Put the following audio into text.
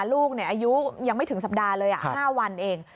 ลูกอายุยังไม่ถึงสัปดาห์เลย๕วันเอง